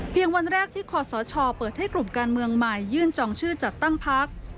วันแรกที่ขอสชเปิดให้กลุ่มการเมืองใหม่ยื่นจองชื่อจัดตั้งพัก